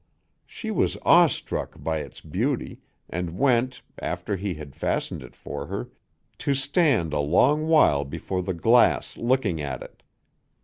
She was awe struck by its beauty, and went, after he had fastened it for her, to stand a long while before the glass looking at it.